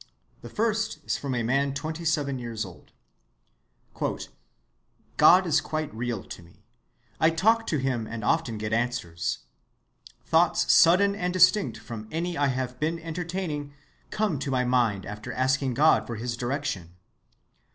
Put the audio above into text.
The first is from a man twenty‐seven years old:— "God is quite real to me. I talk to him and often get answers. Thoughts sudden and distinct from any I have been entertaining come to my mind after asking God for his direction.